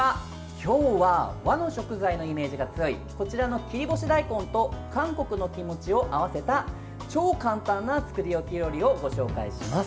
今日は和の食材のイメージが強いこちらの切り干し大根と韓国のキムチを合わせた超簡単な作り置き料理をご紹介します。